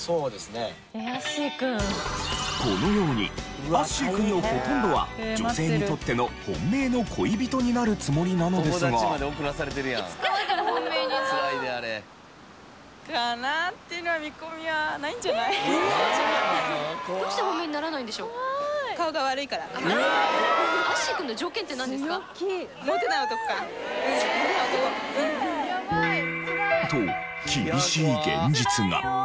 このようにアッシー君のほとんどは女性にとっての本命の恋人になるつもりなのですが。と厳しい現実が。